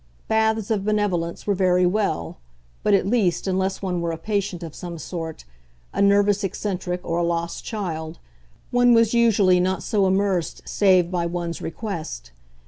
Baths of benevolence were very well, but, at least, unless one were a patient of some sort, a nervous eccentric or a lost child, one was usually not so immersed save by one's request.